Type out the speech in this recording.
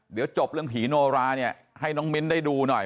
เดี๋ยวจบเรื่องผีโนราเนี่ยให้น้องมิ้นได้ดูหน่อย